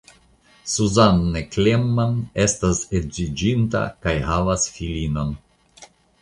Suzanne Klemann estas edziĝinta kaj havas filinon.